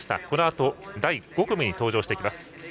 このあと第５組に登場してきます。